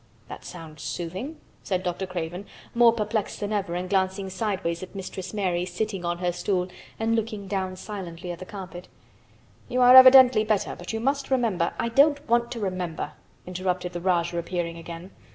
"That sounds soothing," said Dr. Craven, more perplexed than ever and glancing sideways at Mistress Mary sitting on her stool and looking down silently at the carpet. "You are evidently better, but you must remember—" "I don't want to remember," interrupted the Rajah, appearing again.